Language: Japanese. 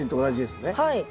はい。